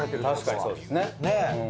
確かにそうですね。